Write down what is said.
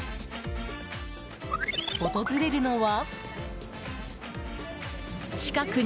訪れるのは？